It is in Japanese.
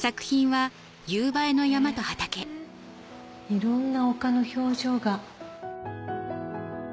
いろんな丘の表情が。